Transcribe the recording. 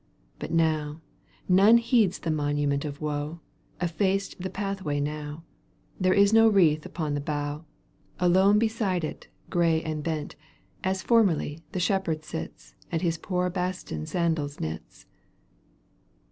But now — ^none heeds the monument Of woe : effaced the pathway now : There is no wreath upon the bough : Alone beside it, gray and bent. As formerly the shepherd sits And his poor hasten sandal knits.